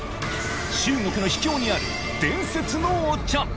中国の秘境にある伝説のお茶］